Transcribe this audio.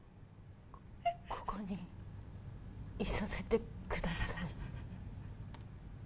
ここにいさせてください。